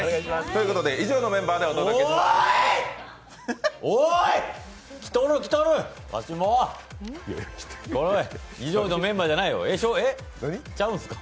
ということで以上のメンバーでお届けしてまいります。